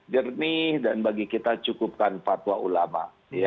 jernih dan bagi kita cukupkan fatwa ulama